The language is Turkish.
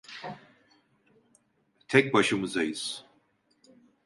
Tek başımızayız.